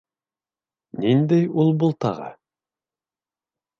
Ниндәй ул-был тағы?